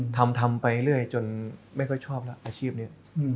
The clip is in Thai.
ทำทำไปเรื่อยจนไม่ค่อยชอบแล้วอาชีพนี้